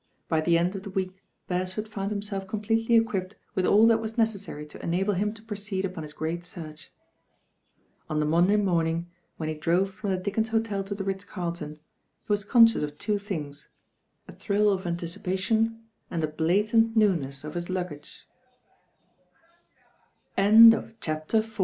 By the end of the week Beresford found him self completely equipped with all that was necessary to enable him to proceed upon his great search. On the Monday morning when he drove from the Dickens Hotel to the Ritz Carlton, he was conscious of two things, a thrill of anticipation and the blatant